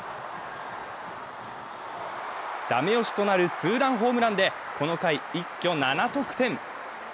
駄目押しとなるツーランホームランでこの回、一挙７得点。